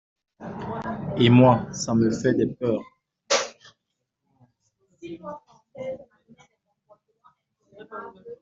Et moi, ça me fait des peurs…